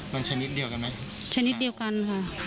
มันชนิดเดียวกันไหม